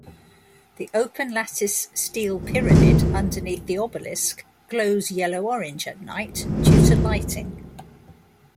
The open-lattice steel pyramid underneath the obelisk glows yellow-orange at night due to lighting.